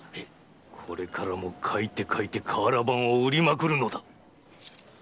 これからも書いて書いて瓦版を売りまくるのだ。